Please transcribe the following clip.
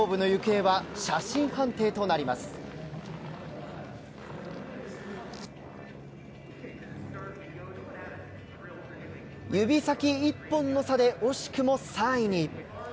指先１本の差で惜しくも３位に。